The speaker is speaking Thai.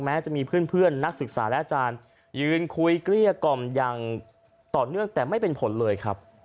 จะมีเพื่อนนักศึกษาและอาจารย์ยืนคุยเกลี้ยกล่อมอย่างต่อเนื่องแต่ไม่เป็นผลเลยครับ